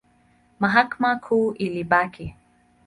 Mahakama Kuu ilibaki.